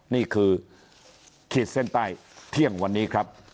นี่คือขีดเส้นใต้เที่ยงวันนี้ครับ